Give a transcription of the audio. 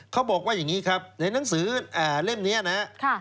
เขาบอกว่าอย่างนี้ครับในหนังสือเล่มนี้นะครับ